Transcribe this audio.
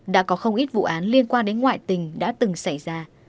đã có không ít vụ án liên quan đến ngoại tình đã từng xảy ra